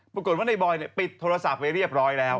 ปรากฏว่าในบอยปิดโทรศัพท์ไว้เรียบร้อยแล้ว